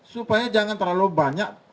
supaya jangan terlalu banyak